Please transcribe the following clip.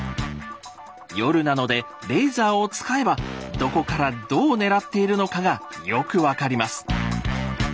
夜なのでレーザーを使えばどこからどう狙っているのかがよく分かります。